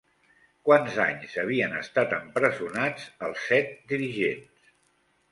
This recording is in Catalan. Quants anys havien estat empresonats els set dirigents?